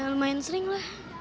lumayan sering lah